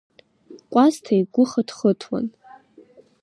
Кәасҭа игәы хыҭхыҭуан.